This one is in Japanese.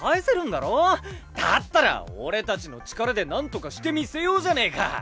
だったら俺たちの力でなんとかしてみせようじゃねえか。